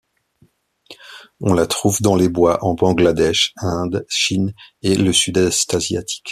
On la trouve dans les bois en Bangladesh, Inde, Chine et le sud-est asiatique.